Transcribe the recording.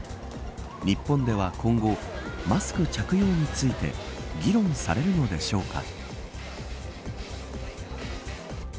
日本では今後マスク着用について議論されるのでしょうか。